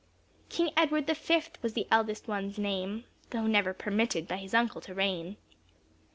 King Edward the fifth was the eldest one's name, Though never permitted by his uncle to reign.